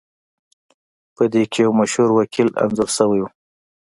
پدې کې یو مشهور وکیل انځور شوی و